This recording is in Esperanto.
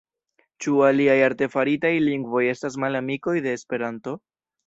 Ĉu aliaj artefaritaj lingvoj estas malamikoj de Esperanto?